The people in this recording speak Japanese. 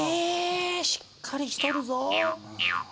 しっかりしとるぞ。